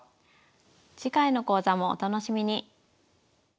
次回の講座もお楽しみに。